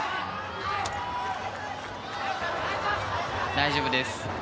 大丈夫です。